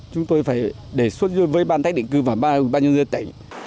chúng tôi phải đề xuất với ban tách định cư và ban nhân dân tỉnh